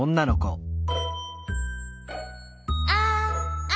「ああ。